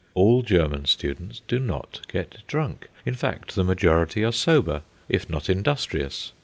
All German students do not get drunk; in fact, the majority are sober, if not industrious.